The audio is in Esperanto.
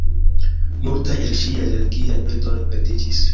Multaj el ŝiaj religiaj bildoj perdiĝis.